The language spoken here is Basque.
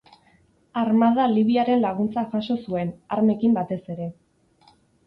Armada Libiaren laguntza jaso zuen, armekin batez ere.